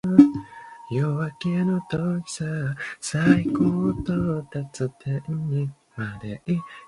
根据日本空港整备法被分成第二种机场。